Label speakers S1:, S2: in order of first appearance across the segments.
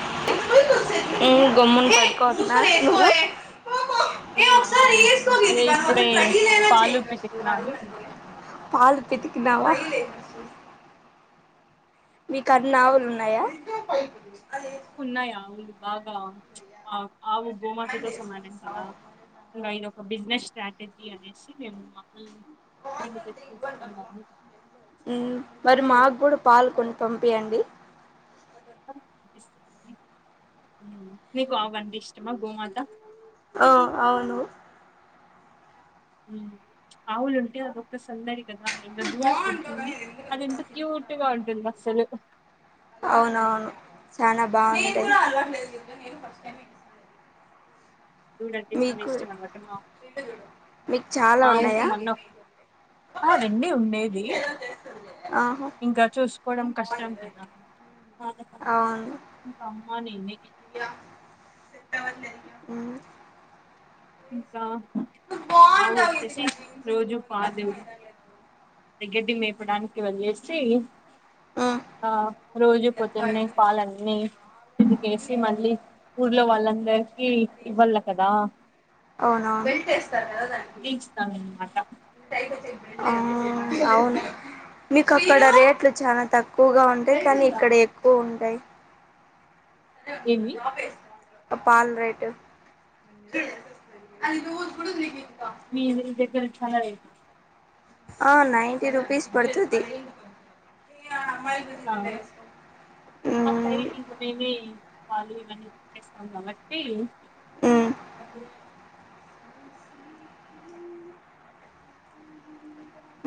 S1: Hello
S2: ఎ గమ్మునుండు పట్కోవద్దు [unintelligible]
S1: నేనా అదే ఇప్పుడే పాలు పితికినాను
S2: పాాలు పితికినావా మీకు అన్ని ఆవులు ఉన్నాయా
S1: ఉన్నాయి ఆవులు బాగా ఆ అవు గోమాత తొ సమానం కద ఇంగ ఇది ఒక బిజినెస్ స్ట్రాటజీ అనేసి మేము ఆవుల్ని తీసుకున్నాము
S2: ఉ మరి మాకు కూడా పాల్ కొని పంపీయండి
S1: నీకు ఆవు అంటే ఇష్టమా గోమాత
S2: ఆ అవును
S1: ఉ ఆవులుంటే అదొక్క సందడి కదా ఇంకా దూడ పుడుతుంది అది ఎంత క్యూట్గా ఉంటుంది అస్సలు
S2: అవునవును చాలా బాగుంటది
S1: దూడంటే చాలా ఇష్టం అనమాట మా అమ్మ కి
S2: మీకు చాలా
S1: మా ఆవుకి
S2: ఉన్నాయా
S1: మొన్న ఆ రెండే ఉండేది
S2: ఆహా
S1: ఇంకా చూసుకోవడం కష్టం కదా
S2: అవును
S1: ఇంక అమ్మా నేనె
S2: మ్మ్.
S1: ఇంకా ఆవు వచ్చేసి రోజు పాలు గడ్డి మేపడానికి వెళ్లేేసి
S2: మ్మ్.
S1: ఆ రోజు పొద్దున్నే పాలన్నీ పితికేసి మళ్ళీ ఊర్లో వాళ్ళందరికి ఇవ్వాల కదా
S2: అవునవును బెల్ట్ ఎస్తారా దానికి
S1: ఇస్తాను అన్నమాట
S2: ఆ అవును మీకు అక్కడ రేట్లు చాలా తక్కువగా ఉంటాయి కానీ ఇక్కడ ఎక్కువ ఉంటాయి అదే
S1: ఏమి
S2: టాప వేస్త [unintelligible] పాల రేటు
S1: మీ ఇల్లు దగ్గర చాలలే
S2: ఆ నైన్టీ రుపీస్ పడుతది మ్మ్
S1: ైటి పాలు ఇవన్నీట్టేస్తాం కాబట్టీ
S2: మ్మ్
S1: అపుడు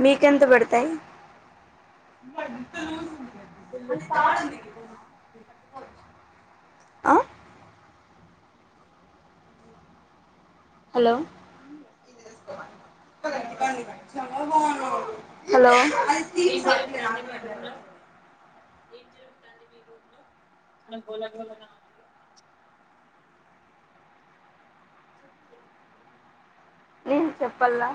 S2: మీకెంత బడతాయి
S1: ఉంగ
S2: ఆ అలో హలో
S1: ఇకా
S2: ఏ
S1: మన బోలా మ
S2: నేన్ చెప్పల్లా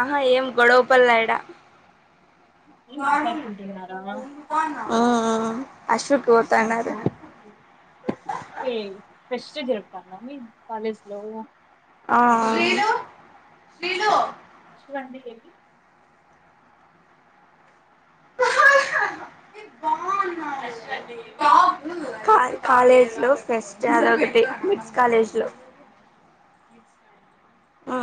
S2: ఆహా ఏం గొడవ్పల్లాయడ అ
S1: మాట్లాడుకుంటున్నారా
S2: ఆ అస్రుక్
S1: ఏయ్ ఫ్రెష్ జరుగుతాంద మి కాలేజ్ లో
S2: అ ఆ
S1: అండి ఏవి
S2: [unintelligible] కా కాలేజ్ లో ఫెస్ట్ జారోకటి మిస్ కాలేజ్ లో ఆ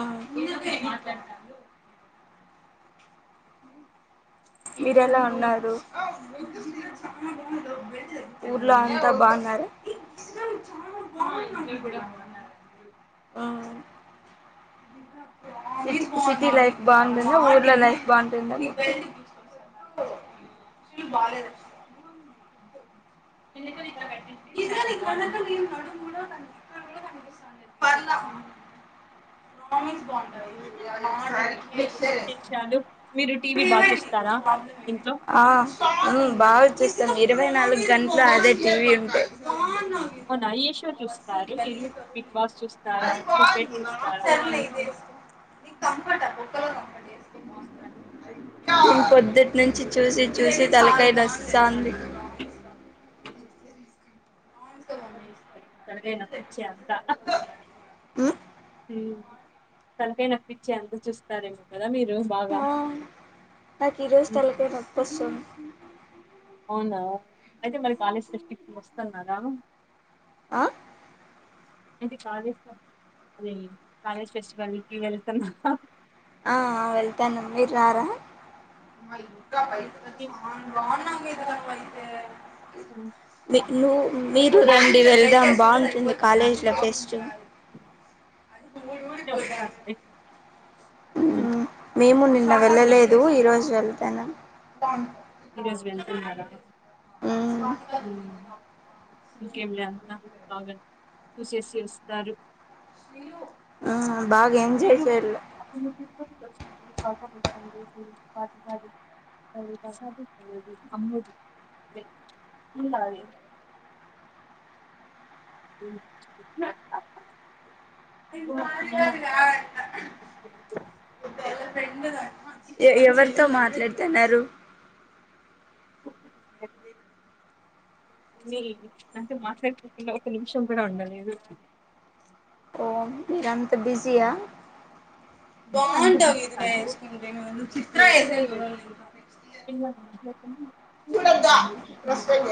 S2: మీరెలా ఉన్నారు ఊర్లో అంత బాన్నా ఆ సిటీ లైఫ్ బాంటుందా ఊర్లో లైఫ్ బాంటుంద బాలెద్ డు మిన్స్ బాగుంటది
S1: విశేషాలు మీరు టీవీ బాగా చూస్తారా ఇంట్లో
S2: ఆ మ్ బాగ్ చూస్తాం ఇరవై నాలుగు గంట్లు అదే టీవీ ఉంటే
S1: వారు మీరు బిగ్ బాస్ చూస్తారా క్రికెట్ చూస్తారా
S2: ని కంఫర్ట పో
S1: ఏం చూస్తారు
S2: అ పొద్దుట్నుంచి చూసి చూసి తలకాయ్ నొస్తాంది
S1: తలకాయ్ నొప్పించె అంత మ్ తలకాయ్ నొప్పించె అంత చూస్తారేమో కదా మీరు బాగా
S2: ఆ నాక్ ఈరోజ్ తలకాయ్ నొప్పొస్తుంది
S1: అవునా అయితే మరి కాలేజ్ ట్రిప్ కి వస్తున్నారా
S2: ఆ
S1: అ కాలేజ్ అదీ కాలేజ్ ఫెస్టివల్కి వెళ్తున్నా
S2: ఆ ఆ వెళ్తాన్నం మీర్ రారా చాన్ బాగున్నావ్ ఇదిలా నువైతే నువ్ మీరు రండి వెళ్దాం బాగుంటుంది కాలేజ్ల ఫెస్ట్ [unintelligible]
S1: వస్తానండి
S2: మ్ మేము నిన్న
S1: ఉమ్.
S2: వెళ్ళలేదు ఈ రోజ్ వెళ్తానం
S1: హె [unintelligible] ఇంకేం లేద బాగ చూసేసి వస్తారు
S2: బాగ ఎం జేసారు
S1: ఖ [unintelligible] అ ప్రసాద కదు అమ్మది ఇలాే [unintelligible]
S2: ఎ ఎవరితో మాట్లాడుతున్నారు
S1: అంటే మాట్లాడుకుంటన్నా ఒక నిమిషం కూడ ఉండలేదు
S2: ఓ మీర్ రంత బిజయా
S1: అంటే అంత
S2: బాగుంటావు
S1: బిజీ
S2: ఇదిలా
S1: కాదు
S2: వేసుకుంటె చిత్ర యే చూ
S1: పిల్ల [inaudible]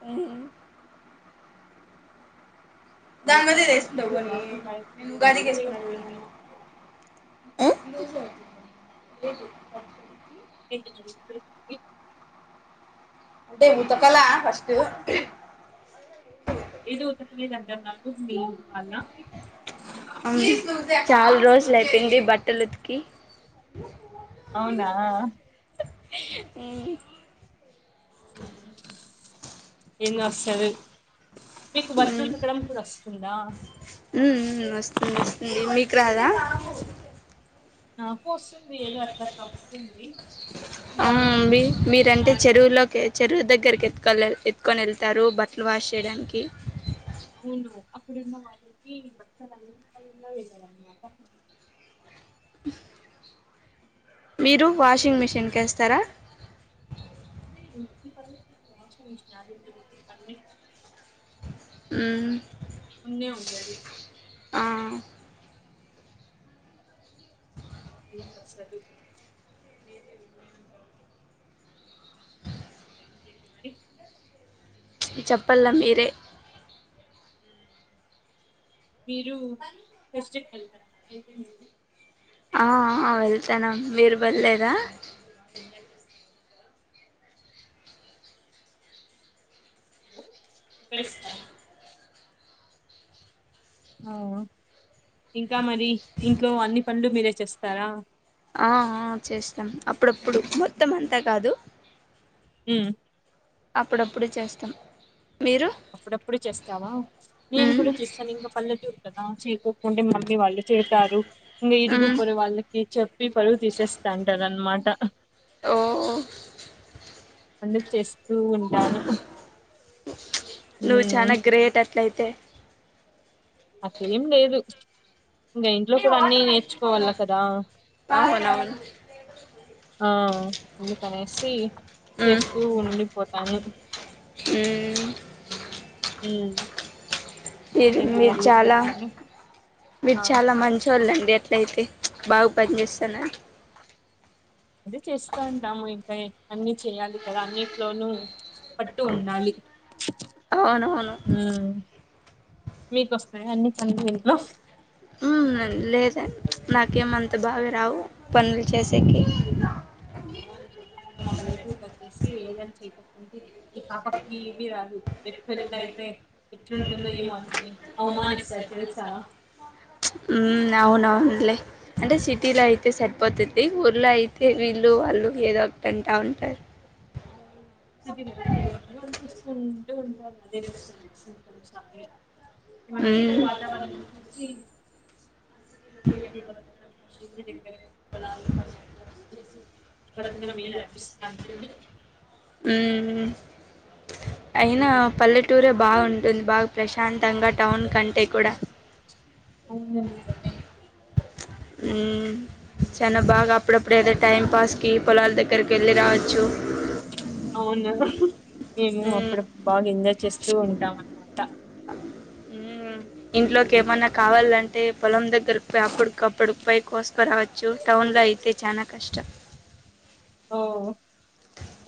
S2: భు దాని మధ్య ఇది వేస్కుండవు
S1: ఇప్పుడు
S2: కానీ
S1: బాగుంటాయి
S2: నేను ఉగాదికి
S1: వస్తూనే
S2: వేసుకున్నా
S1: ఉంటారు
S2: అ
S1: ఏ
S2: అంటే ఉతకల ఫస్ట్
S1: ఏదోకటి మీ దగ్గర నాకు [unintelligible]
S2: అవును చాల రోజులు అయిపోయింది బట్టలు ఉతికి
S1: అవునా
S2: ఉమ్
S1: హ ఎన్ వస్తది మీకు బట్టలు ఉతుకడం కూడా వస్తుందా
S2: మ్ మ్ వస్తుంది మీకు రాదా
S1: నా ఏదో అట్లట్ల వస్తుంది
S2: అవును మీ మీరంటే చెరువులోకి చెరువు దగ్గరికి ఎత్తుకని ఎతుకొని వెళ్తు త్తరు బట్టలు వాష్ చేయడానికి
S1: అవును అప్పుడున్న వాళ్ళకి [unintelligible]
S2: మీరు వాషింగ్ మిషిన్కి వేస్తార
S1: [inaudible] ఉండే ఉన్నది ఇ సలు ఇ
S2: చెప్పలా మీరే
S1: మీరు ఫస్ట్ వెళ్తడిడి
S2: అఆ వెళ్తాను మీరు బల్లేదా
S1: బెషేట్ ఆ ఇంకా మరి ఇంట్లో అన్ని పనులు మీరే చేస్తారా
S2: ఆ ఆ చేస్తాం అప్పుడప్పుడు మొత్తం అంతా కాదు
S1: ఊ
S2: అప్పుడప్పుడు చేస్తాం మీరు
S1: అప్పుడప్పుడు చేస్తావా నేను కూడా చేస్తాను ఇంకా పల్లెటూరు కదా చేయకోకుంటే మళ్ళీ మివాళ్ళు చేస్తారు ఇంకా ఇరుగుపొరుగు వాళ్ళకి చెప్పి పరువు తీసేస్తంటారు అనమాట
S2: ఓ ఓ
S1: అందుకు చేస్తూ ఉంటారు
S2: నువ్వు చానా గ్రేట్ అట్లయితే
S1: అట్లే ఏం లేదు ఇంగా ఇంట్లో ఇవన్నీ తేచ్చుకోవాల కదా
S2: అవునవును
S1: ఆ అందుకనేసి
S2: మ్మ్
S1: చేస్తూ ఉండిపోతాను.
S2: ఉమ్.
S1: ఉమ్.
S2: మీరు
S1: ఇంకేంటి
S2: మీరు
S1: మరి
S2: చాలా
S1: విశేషాలు
S2: మీరు
S1: ఆ
S2: చాలా మంచోళ్ళండి. అట్లా అయితే బాగా పనిజేస్తున్నారు
S1: అదే చేస్తా ఉంటాము. ఇంకా అన్ని చేయాలి కదా అన్నిట్లోనూ పట్టు ఉండాలి.
S2: అవునవును
S1: మీ కొస్తయా అన్నీ
S2: ఉమ్ లేదండి నాకేమం త బాగరావు పనులు చేసేకి
S1: పల్లెటూరు వచ్చేసి ఏదనా చేసుకోకుంటి ఇపాపక్క్ ఏవి రాదు రేప్ పెళ్ళి అయితే ఎట్లుంటుందో ఏమోని అవమానిస్తారు. తెలుసా
S2: ఉమ్ అవునవును అంటే సిటీలో అయితే సరిపోతుంది. ఊర్లో అయితే వీళ్ళు వాళ్ళు ఏదో ఒకటంటా ఉంటారు.
S1: అదే మేడం ఎవరి పని వాళ్ళుచేసుకుంటూ ఉండాలి అదే బెస్ట్ [unintelligible] వన్ వీక్క్
S2: మ్మ్
S1: తర్వాత వాళ్ళను చూసి
S2: పోయి ఎక్కడ బతకడం
S1: శుద్ది దింపే
S2: ప్రతి
S1: బతకడం
S2: దినం
S1: మేలు
S2: మీరే
S1: అనిపిస్తుంది
S2: అర్పిస్తున్నట్టుంది. ఉమ్. అయినా పల్లెటూరే బాగుంటుంది. బాగా ప్రశాంతంగా టౌన్ కంటే కూడా
S1: అవునండి. నిజమే
S2: ఉమ్ చానా బాగా అప్పుడప్పుడు ఏదో టైం పాస్కి పొలాల దగ్గర కర్కి యెళ్ళి రావచ్చు
S1: అవును మేము
S2: మ్మ్.
S1: అప్పుడప్పుడు బాగా ఎంజాయ్ చేస్తూ ఉంటాం అన్నమాట
S2: ఉమ్. ఇంట్లోకి ఏమన్నా కావాలంటే పొలం దగ్గరకి పోయి, అప్పుడుకప్పుడు పోయి కోసుకరావచ్చు. టౌన్ లో అయి అయితే చానా కష్టం
S1: ఓ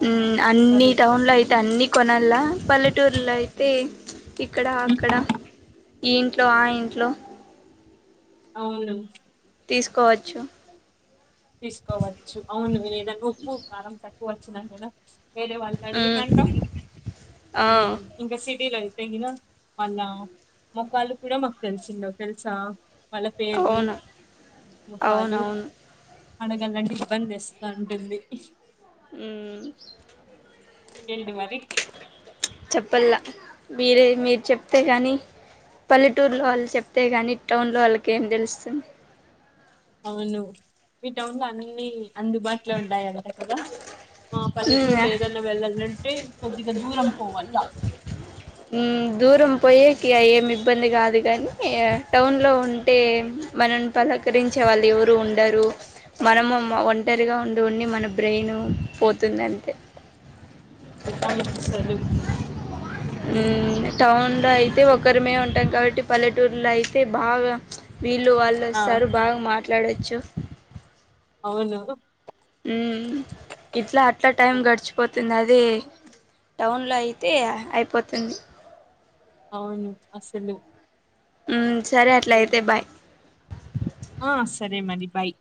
S1: అవును
S2: ఉమ్ అన్ని
S1: అసలు
S2: టౌన్ లో అయితే అన్ని కొనాలా పల్లెటూరులో అయితే ఇక్కడ అక్కడ ఈ ఇంట్లో ఆ ఇంట్లో
S1: అవును
S2: తీసుకోవచ్చు.
S1: తీసుకోవచ్చు అవును ఏదనా ఉప్పు కారం తక్కువ వచ్చిన గూడా వేరె వాళ్ళ
S2: మ్మ్.
S1: అడుగుతారు
S2: ఆ,
S1: ఉమ్ ఇంకా సిటీలో అయితే తెగిన వాళ్ళ మొకాళ్లు కూడా మాకు తెలిసుండవు తెలుసా వాళ్ళ పేర్లు
S2: అవును
S1: ముఖాలు
S2: అవునవును
S1: అడగలాంటే ఇబ్బంది ఇస్తా అంటుంది
S2: ఉమ్. ఇంకేంటి మరి చెప్పల్లా మీరే మీరు చెప్తే గానీ పల్లెటూరులో వాళ్ళు చెప్తే గాని, టౌన్ లో వాళ్ళకి ఏం దెలుస్తుంది.
S1: అవును. మీ టౌన్ లో అన్నీ అందుబాటులో ఉంటాయంట కదా! ఆ పల్లెటూరులో ఏదన్నా వెళ్ళాలంటే కొద్దిగా దూరం పోవాలా
S2: ఉమ్ దూ పోయేకి ఏమి ఇబ్బంది గాదు కానీ టౌన్లో ఉంటే మనం పలకరించే వాళ్ళు ఎవరు ఉండరు మనము ఒం ఒంటరిగా ఉండి ఉండి మన బ్రెయిన్ పోతుందంతే
S1: ఎగ్జామ్ ఉంది సదు
S2: మ్ టౌన్లో అయితే ఒకరిమే ఉంటాం కాబట్టి పల్లెటూర్లో అయితే బాగా వీళ్ళు
S1: ఆ
S2: వాళ్ళుస్తారు బాగా మాట్లాడొచ్చు
S1: అవును
S2: ఉ మ్ ఇట్లా అట్లా టైం గడిచిపో తుంది అదే టౌన్లో అయితే అయిపోతుంది
S1: అవును అసలు
S2: మ్ సరే అట్ల
S1: ఉమ్.
S2: అయితే బాయ్
S1: ఆ సరే మరి బాయ్